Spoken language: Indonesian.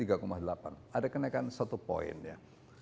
ada kenaikan satu poin ya